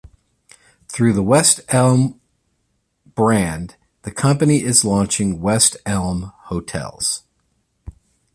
Through the West Elm brand, the company is launching West Elm Hotels.